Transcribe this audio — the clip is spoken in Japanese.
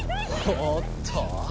おっと。